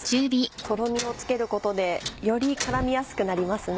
とろみをつけることでより絡みやすくなりますね。